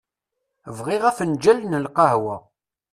Bɣiɣ afenǧal n lqehwa.